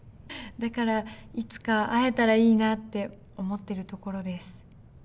だからいつか会えたらいいなって思ってるところです。